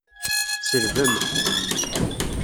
Tselbem!